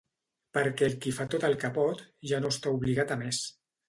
Perquè el qui fa tot el que pot, ja no està obligat a més.